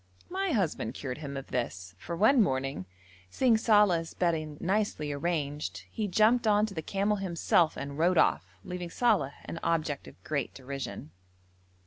My husband cured him of this, for one morning, seeing Saleh's bedding nicely arranged, he jumped on to the camel himself and rode off, leaving Saleh an object of great derision.